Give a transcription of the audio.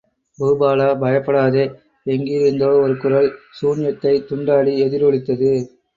பூபாலா, பயப்படாதே! எங்கிருந்தோ ஒரு குரல் சூன்யத்தைத் துண்டாடி எதிரொலித்தது.